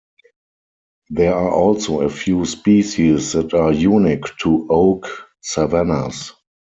There are also a few species that are unique to oak savannas.